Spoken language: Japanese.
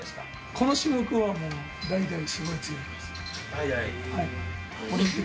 この種目は代々すごく強いです。